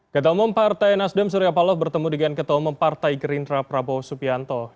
ketua umum partai nasdem suryapalov bertemu dengan ketua umum partai gerindra prabowo supianto